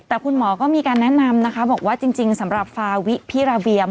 แต่คุณหมอก็มีการแนะนำนะคะบอกว่าจริงสำหรับฟาวิพิราเบียม